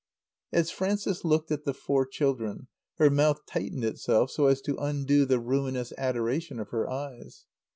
As Frances looked at the four children, her mouth tightened itself so as to undo the ruinous adoration of her eyes.